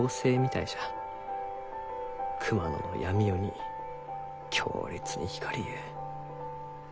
熊野の闇夜に強烈に光りゆう。